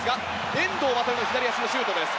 遠藤航、左足のシュートです。